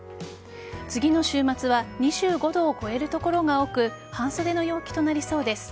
次の週末は２５度を超える所が多く半袖の陽気となりそうです。